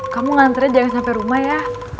kamu antarnya jangan sampe rumah ya